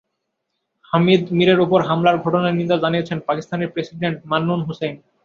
হামিদ মিরের ওপর হামলার ঘটনার নিন্দা জানিয়েছেন পাকিস্তানের প্রেসিডেন্ট মামনুন হুসাইন।